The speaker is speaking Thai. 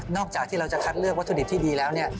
จากที่เราจะคัดเลือกวัตถุดิบที่ดีแล้วเนี่ย